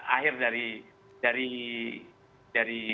akhir dari dari